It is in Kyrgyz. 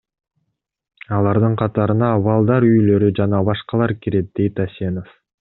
Алардын катарына балдар үйлөрү жана башкалар кирет, – дейт Асенов.